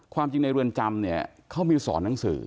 ความจริงในรวมจำเขามีสอนหนังสือ